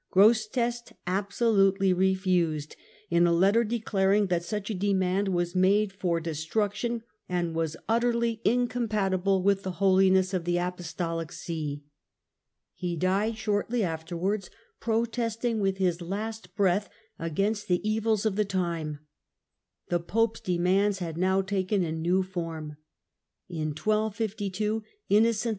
Grosseteste absolutely refused, in a letter declaring that such a demand was made for destruction, and was utterly incompatible with the holiness of the apostolic see. He died shortly afterwards, protesting with his last breath against the evils of the time. The pope's demands had. now taken a new form. In 1252 Innocent IV.